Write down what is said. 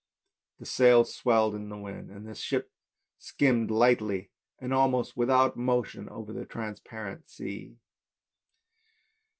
The sails swelled in the wind and the ship skimmed lightly and almost without motion over the transparent sea.